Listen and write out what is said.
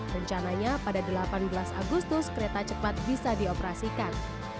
rencananya pada delapan belas agustus kereta cepat bisa dioperasikan